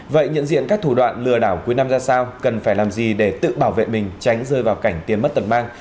vậy nhận diện các thủ đoạn lừa đảo cuối năm ra sao cần phải làm gì để tự bảo vệ mình tránh rơi vào cảnh tiền mất tật mang